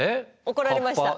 怒られました。